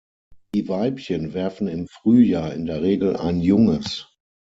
Die Weibchen werfen im Frühjahr in der Regel ein Junges.